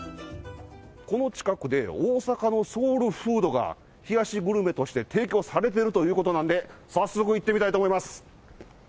この近くで、大阪のソウルフードが、冷やしグルメとして提供されてるということなんで、早速行ってみたいと思います。